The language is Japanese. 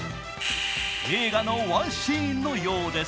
映画のワンシーンのようです。